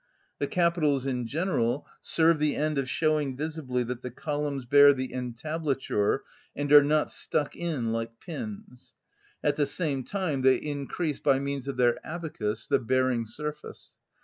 The capitals in general serve the end of showing visibly that the columns bear the entablature, and are not stuck in like pins; at the same time they increase by means of their abacus the bearing surface.